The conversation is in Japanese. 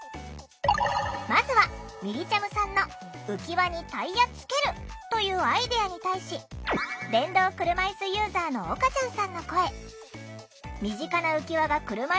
まずはみりちゃむさんの「浮き輪にタイヤつける」というアイデアに対し電動車いすユーザーのおかちゃんさんの声。